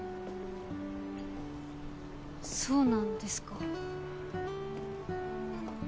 そうなんですか。